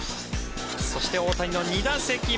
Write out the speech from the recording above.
そして、大谷の２打席目。